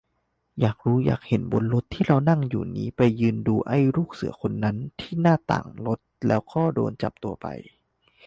อยากรู้อยากเห็นบนรถที่เรานั่งอยู่นี่ ไปยืนดูไอ้ลูกเสือคนนั้นที่หน้าต่างรถ แล้วก็โดนจับตัวไป